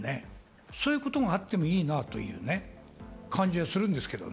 そういうこともあってもいいなという感じがするんですよね。